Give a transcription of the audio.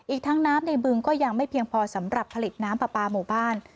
อีกทั้งน้ำในบึงก็ยังไม่เพียงพอสำหรับผลิตน้ำปลาปลาหมู่บ้าน